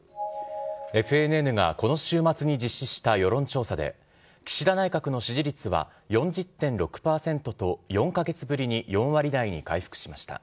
ＦＮＮがこの週末に実施し世論調査で、岸田内閣の支持率は４０．６％と、４か月ぶりに４割台に回復しました。